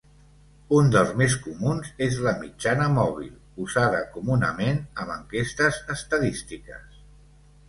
Un dels més comuns és la mitjana mòbil, usada comunament amb enquestes estadístiques.